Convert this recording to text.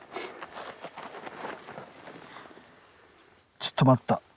ちょっと待った。